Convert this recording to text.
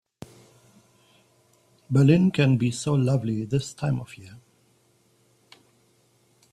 Berlin can be so lovely this time of year.